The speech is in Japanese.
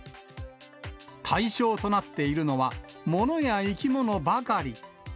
対象となっているのは物や生き物ばかり。